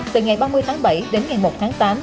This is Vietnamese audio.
từ ngày ba mươi tháng bảy đến ngày một tháng tám